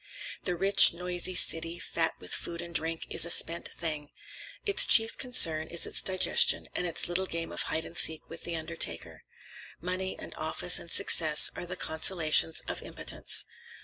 The rich, noisy, city, fat with food and drink, is a spent thing; its chief concern is its digestion and its little game of hide and seek with the undertaker. Money and office and success are the consolations of impotence.